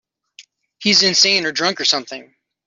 He's insane or drunk or something.